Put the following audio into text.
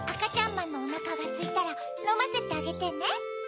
まんのおなかがすいたらのませてあげてね。